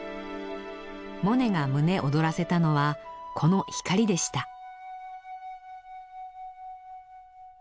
モネが胸躍らせたのはこの光でした。